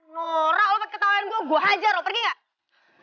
nora lo pake ketawaan gue gue hajar lo pergi gak